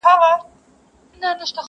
پای لا هم خلاص پاته کيږي.